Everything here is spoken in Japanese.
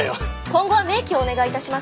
今後は明記をお願いいたします。